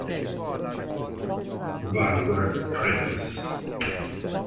Vanguard Princess